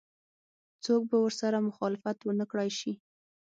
څوک به ورسره مخالفت ونه کړای شي.